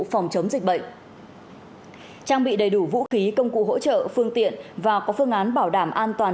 phòng chống dịch bệnh trang bị đầy đủ vũ khí công cụ hỗ trợ phương tiện và có phương án bảo đảm an toàn